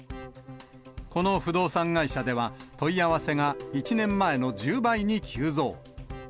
この不動産会社では、問い合わせが１年前の１０倍に急増。